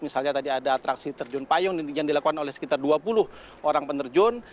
misalnya tadi ada atraksi terjun payung yang dilakukan oleh sekitar dua puluh orang penerjun